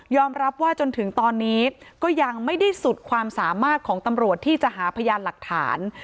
รับว่าจนถึงตอนนี้ก็ยังไม่ได้สุดความสามารถของตำรวจที่จะหาพยานหลักฐาน